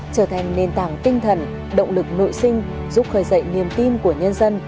trở thành nền tảng tinh thần động lực nội sinh giúp khởi dậy niềm tin của nhân dân